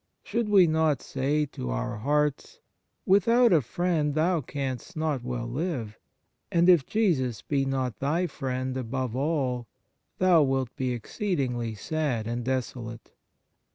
Should we not say to our hearts: " Without a friend thou canst not well live, and if Jesus be not thy Friend above all thou wilt be exceedingly sad and desolate.